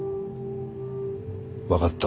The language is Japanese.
分かった。